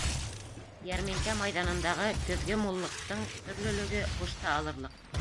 Йәрминкә майҙанындағы көҙгө муллыҡтың төрлөлөгө һушты алырлыҡ.